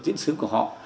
diễn xướng của họ